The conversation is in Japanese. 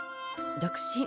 独身。